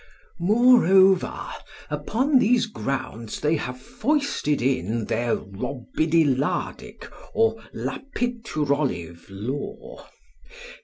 Moreover upon these grounds they have foisted in their Robidilardic, or Lapiturolive law.